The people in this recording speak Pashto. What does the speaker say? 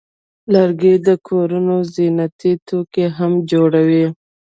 لرګی د کورونو زینتي توکي هم جوړوي.